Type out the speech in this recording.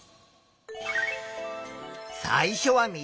最初は水。